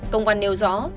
công văn nêu rõ